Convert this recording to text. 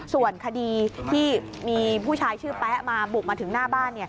ส่วนคดีที่มีผู้ชายชื่อแป๊ะมาบุกมาถึงหน้าบ้าน